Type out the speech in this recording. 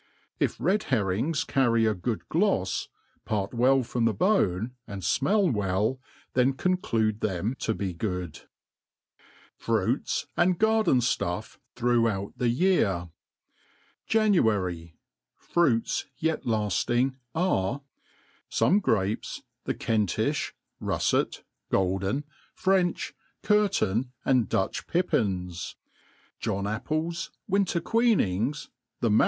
If red herrings carry a good glofs, part well from the bone, and fmell well, then conclude them to be good, FRUITS and GARDEN STUFF throughout the Year. January.^ Fruits yet lajiingy are^ SOME grapes, the Kentifl), ruflet, golden, French, kirton^ and Dutch pippins, John apples, winter queeniogs, thenuiri 7 gol<J mad£ plain and easy.